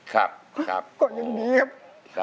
ก่อนอย่างนี้ครับ